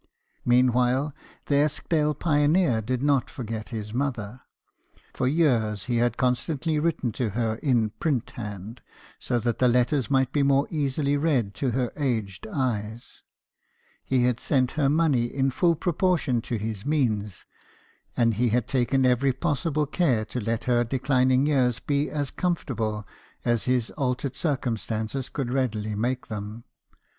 Meanwhile, the Eskdale pioneer did not for get his mother. For years he had constantly THOMAS TELFORD, STONEMASON. 21 written to her, in print hand, so that the letters might be more easily read by her aged eyes ; he had sent her money in full proportion to his means ; and he had taken every possible care to let her declining years be as comfortable as his altered circumstances could readily make them.